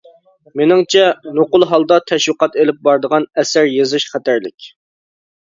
مېنىڭچە، نوقۇل ھالدا تەشۋىقات ئېلىپ بارىدىغان ئەسەر يېزىش خەتەرلىك.